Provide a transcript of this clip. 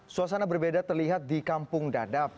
suasana berbeda terlihat di kampung dadap